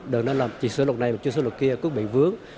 đừng nên là chỉ sửa luật này mà chưa sửa luật kia quốc bị vướng